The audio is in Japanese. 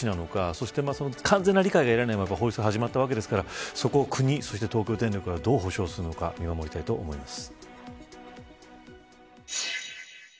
そして完全な理解が得られないまま放出が始まったわけですから国や東京電力がどう補償するのか見守りたいと思います。